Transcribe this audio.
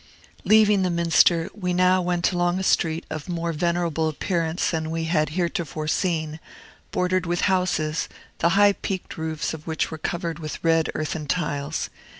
Leaving the Minster, we now went along a street of more venerable appearance than we had heretofore seen, bordered with houses, the high peaked roofs of which were covered with red earthen tiles.